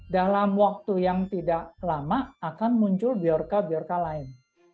dalam waktu yang tidak lama akan muncul biorka biorka lain